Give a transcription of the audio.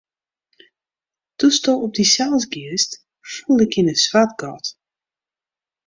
Doe'tsto op dysels giest, foel ik yn in swart gat.